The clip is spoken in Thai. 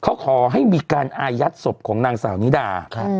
เขาขอให้มีการอายัดศพของนางสาวนิดา